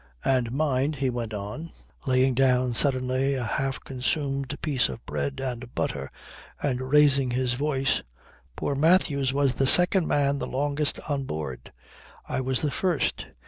"And mind," he went on, laying down suddenly a half consumed piece of bread and butter and raising his voice, "poor Mathews was the second man the longest on board. I was the first.